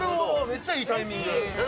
めっちゃいいタイミング。